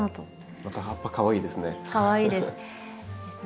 また葉っぱかわいいですね。